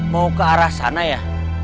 mau kearah sana ya